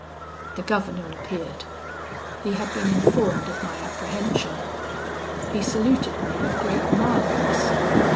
"The governor appeared. He had been informed of my apprehension. He saluted me with great mildness.